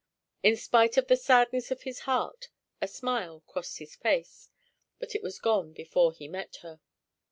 In spite of the sadness of his heart, a smile crossed his face, but it was gone before he met her.